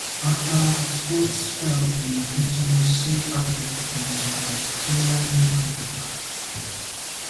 After a short spell in teaching she acted in a touring company.